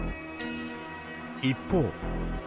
一方。